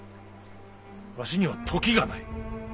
わしには時がない。